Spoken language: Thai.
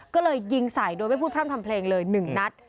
ก็เลยยิงใส่โดยไม่พูดพร่ำทำเพลงเลย๑นัด